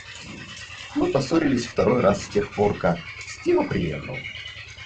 Мы поссорились второй раз с тех пор, как... Стива приехал.